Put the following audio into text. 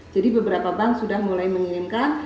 jadi beberapa bank sudah mulai mengirimkan